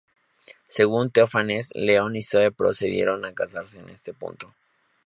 Según Teófanes, León y Zoe procedieron a casarse en este punto.